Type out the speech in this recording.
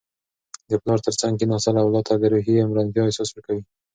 د پلار تر څنګ کښیناستل اولاد ته د روحي ارامتیا احساس ورکوي.